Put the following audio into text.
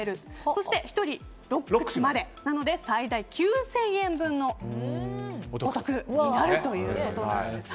そして１人６口までということで最大９０００円分のお得になるということです。